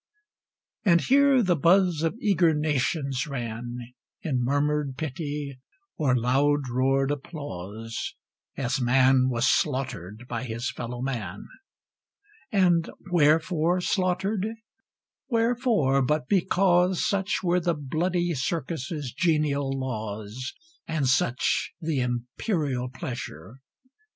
And here the buzz of eager nations ran, In murmured pity, or loud roared applause, As man was slaughtered by his fellow man. And wherefore slaughtered? wherefore, but because Such were the bloody Circus's genial laws, And such the imperial pleasure.